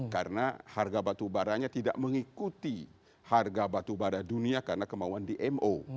karena harga batubaranya tidak mengikuti harga batubara dunia karena kemauan dmo